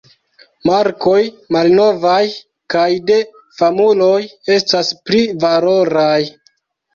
Markoj malnovaj kaj de famuloj estas pli valoraj.